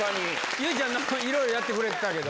結実ちゃん、なんかいろいろやってくれてたけど。